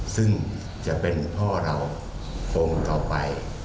ซึ่งจะเป็นพ่อเราคนต่อไป